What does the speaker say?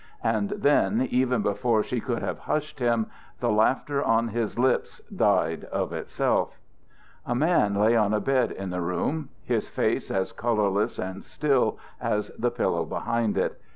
And then, even before she could have hushed him, the laughter on his lips died of itself. A man lay on a bed in the room, his face as colourless and still as the pillow behind it.